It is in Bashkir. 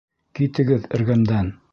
Китегеҙ эргәмдән!